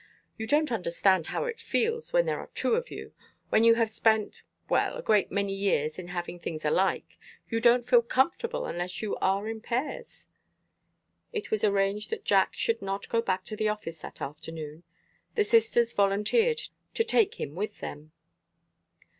You don't understand how it feels when there are two of you. When you have spent well, a great many years, in having things alike, you don't feel comfortable unless you are in pairs." It was arranged that Jack should not go back to the office that afternoon. The sisters volunteered to take him with them.